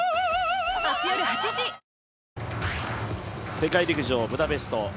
世界陸上ブダペスト。